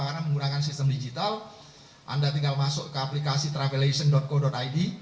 karena menggunakan sistem digital anda tinggal masuk ke aplikasi travelation co id